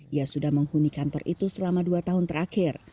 ia sudah menghuni kantor itu selama dua tahun terakhir